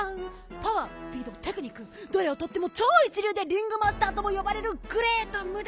パワースピードテクニックどれをとってもちょういちりゅうでリングマスターともよばれるグレート・ムダ！